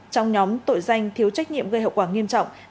trong nhóm tội danh thiếu trách nhiệm gây hậu quả nghiêm trọng